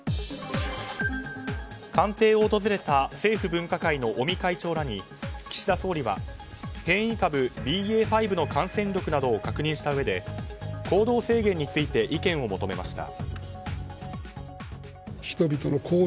官邸を訪れた政府分科会の尾身会長らに岸田総理は変異株ＢＡ．５の感染力などを確認したうえで行動制限について意見を求めました。